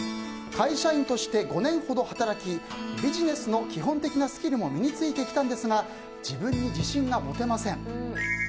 会社員として５年ほど働きビジネスの基本的なスキルも身に着いてきたんですが自分に自信が持てません。